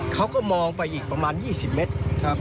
เขาก็มองไปอีกประมาณ๒๐เมตร